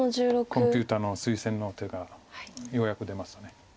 コンピューターの推薦の手がようやく出ます。